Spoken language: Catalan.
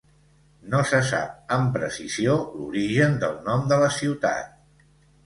No se sap amb precisió l'origen del nom de la ciutat.